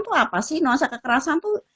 itu apa sih nuansa kekerasan tuh